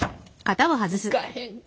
いかへんか？